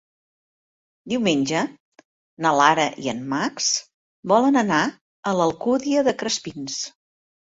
Diumenge na Lara i en Max volen anar a l'Alcúdia de Crespins.